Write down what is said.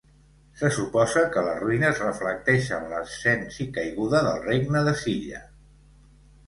Se suposa que les ruïnes reflecteixen l'ascens i caiguda del regne de Silla.